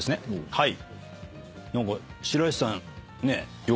はい。